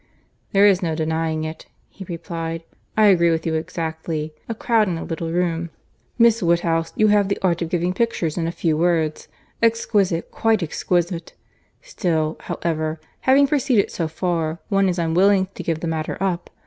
"There is no denying it," he replied. "I agree with you exactly. A crowd in a little room—Miss Woodhouse, you have the art of giving pictures in a few words. Exquisite, quite exquisite!—Still, however, having proceeded so far, one is unwilling to give the matter up.